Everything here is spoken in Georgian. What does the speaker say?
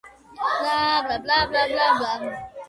პრაქტიკული გამოყენება აქვს აგრეთვე თხისა და აქლემის მატყლს.